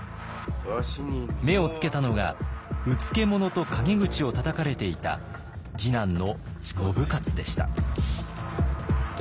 目をつけたのがうつけ者と陰口をたたかれていた次男の信雄でした。